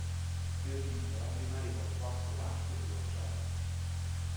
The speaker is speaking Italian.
Dell'isola rimaneva un vasto banco di roccia lavica.